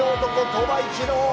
鳥羽一郎。